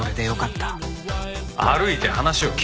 歩いて話を聞け。